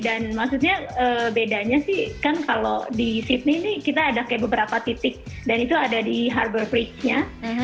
dan maksudnya bedanya sih kan kalau di sydney ini kita ada kayak beberapa titik dan itu ada di harbour bridge nya